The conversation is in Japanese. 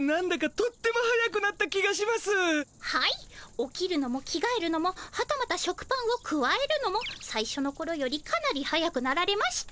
起きるのも着がえるのもはたまた食パンをくわえるのもさいしょのころよりかなり速くなられました。